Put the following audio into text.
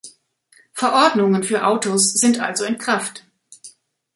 Verordnungen für Autos sind also in Kraft.